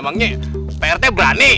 emangnya pak rt berani